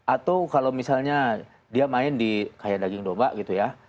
atau kalau misalnya dia main di kayak daging domba gitu ya